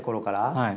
はい。